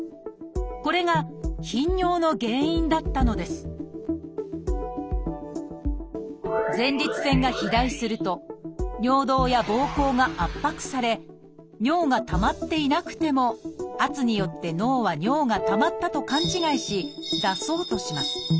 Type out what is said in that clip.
これが頻尿の原因だったのです前立腺が肥大すると尿道やぼうこうが圧迫され尿がたまっていなくても圧によって脳は尿がたまったと勘違いし出そうとします。